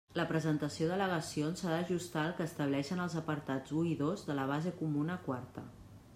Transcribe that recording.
La presentació d'al·legacions s'ha d'ajustar al que estableixen els apartats u i dos de la base comuna quarta.